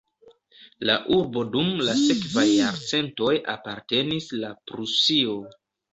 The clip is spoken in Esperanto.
La urbo dum la sekvaj jarcentoj apartenis la Prusio.